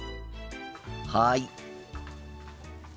はい。